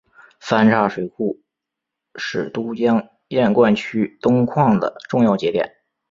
三岔水库是都江堰灌区东扩的重要节点。